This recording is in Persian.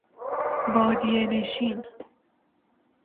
بادیه نشتن